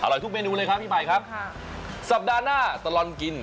อร่อยทุกเมนูเลยครับพี่ไผ่ครับสัปดาห์หน้าตะลอนกิน